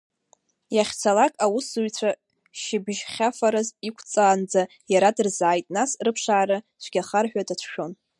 Иахьцалак аусзуҩцәа шьыбжьхьафараз иқәҵаанӡа, иара дырзааит, нас рыԥшаара цәгьахар ҳәа дацәшәон.